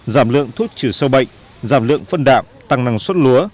giảm lượng thuốc trừ sâu bệnh giảm lượng phân đạm tăng năng suất lúa